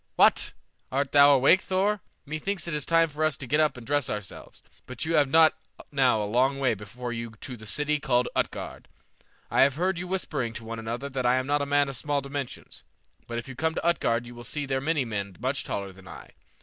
What! Art thou awake, Thor? Me thinks it is time for us to get up and dress ourselves; but you have not now a long way before you to the city called Utgard. I have heard you whispering to one another that I am not a man of small dimensions; but if you come to Utgard you will see there many men much taller than I.